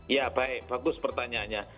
ya baik bagus pertanyaannya